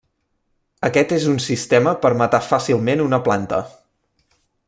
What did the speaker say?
Aquest és un sistema per matar fàcilment una planta.